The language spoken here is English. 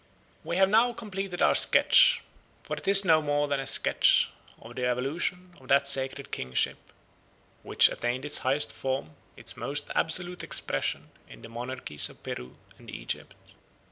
We have now completed our sketch, for it is no more than a sketch, of the evolution of that sacred kingship which attained its highest form, its most absolute expression, in the monarchies of Peru and Egypt.